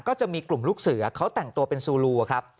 ก็จะมีกลุ่มลูกเสือเขาแต่งตัวเป็นซูลูครับ